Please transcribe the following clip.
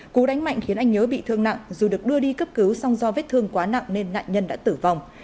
cú đánh mạnh khiến anh nhớ bị thương nặng dù được đưa đi cấp cứu song do vết thương quá nặng nên nạn nhân đã tử vong